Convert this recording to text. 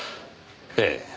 ええ。